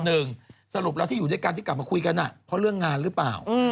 สรุปแล้วที่อยู่ด้วยกันที่กลับมาคุยกันเพราะเรื่องงานหรือเปล่า